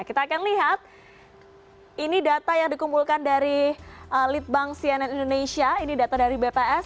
kita akan lihat ini data yang dikumpulkan dari lead bank cnn indonesia ini data dari bps